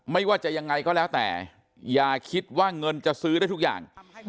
ไม่ว่าจะยังไงก็แล้วแต่อย่าคิดว่าเงินจะซื้อได้ทุกอย่าง